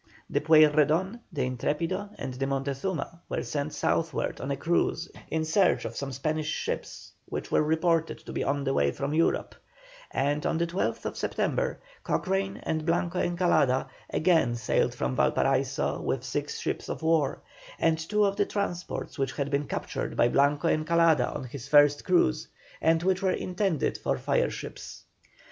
The Pueyrredon the Intrepido, and the Montezuma, were sent southward on a cruise in search of some Spanish ships which were reported to be on the way from Europe, and, on the 12th September, Cochrane and Blanco Encalada again sailed from Valparaiso with six ships of war, and two of the transports which had been captured by Blanco Encalada on his first cruise, and which were intended for fire ships.